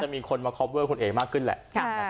มีคนมาคอปเวอร์คุณเอ๋มากขึ้นแหละ